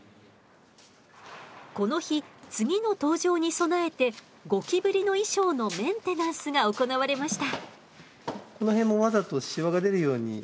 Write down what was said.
この日次の登場に備えてゴキブリの衣装のメンテナンスが行われました。